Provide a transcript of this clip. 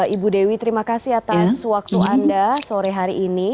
ibu dewi terima kasih atas waktu anda sore hari ini